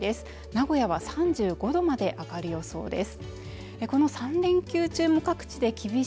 名古屋は３５度まで上がる予想です